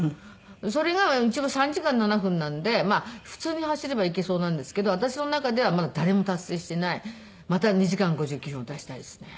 それが一応３時間７分なんで普通に走ればいけそうなんですけど私の中ではまだ誰も達成していないまた２時間５９分を出したいですね。